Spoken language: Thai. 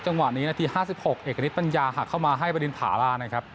จังหวะนี้นาที๕๖เอกฤทธปัญญาหักเข้ามาให้บรินผาลานะครับ